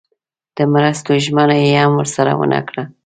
د مرستو ژمنه یې هم ورسره ونه کړه.